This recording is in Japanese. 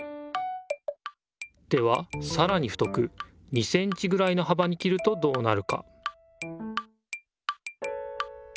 ではさらに太く２センチぐらいのはばに切るとどうなるか？